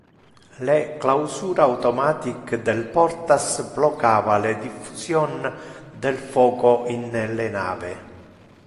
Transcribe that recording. Le clausura automatic del portas blocava le diffusion del foco in le nave.